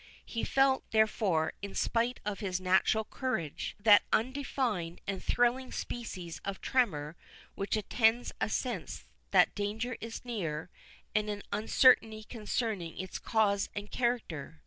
He felt, therefore, in spite of his natural courage, that undefined and thrilling species of tremor which attends a sense that danger is near, and an uncertainty concerning its cause and character.